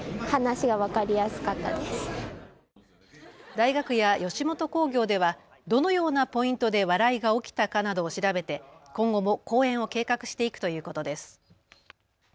大学や吉本興業ではどのようなポイントで笑いが起きたかなどを調べて今後も公演を計画していくということです。